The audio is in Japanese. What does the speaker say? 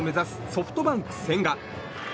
ソフトバンク、千賀。